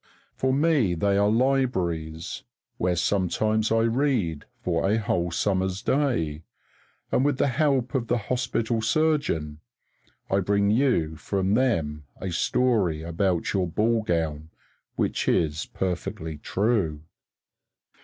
For me they are libraries where sometimes I read for a whole summer's day; and with the help of the hospital surgeon, I bring you from them a story about your ball gown which is perfectly true.